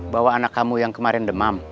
bawa anak kamu yang kemarin demam